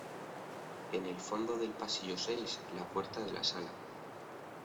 En el fondo del pasillo seis la puerta de la sala.